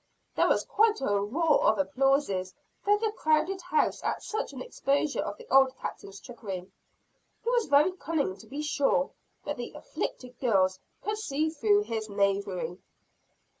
There was quite a roar of applause through the crowded house at such an exposure of the old Captain's trickery. He was very cunning to be sure; but the "afflicted" girls could see through his knavery.